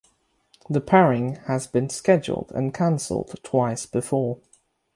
The pairing has been scheduled and cancelled twice before.